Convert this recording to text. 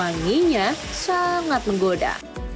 ranginya sangat menggoda